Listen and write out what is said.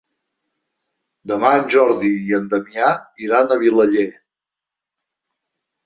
Demà en Jordi i en Damià iran a Vilaller.